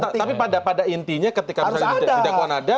tapi pada intinya ketika misalnya di dakwaan ada